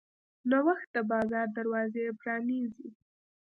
نوښت د بازار دروازې پرانیزي.